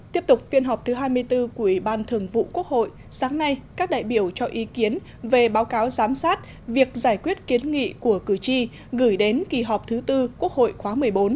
tiếp tục phiên họp thứ hai mươi bốn của ủy ban thường vụ quốc hội sáng nay các đại biểu cho ý kiến về báo cáo giám sát việc giải quyết kiến nghị của cử tri gửi đến kỳ họp thứ tư quốc hội khóa một mươi bốn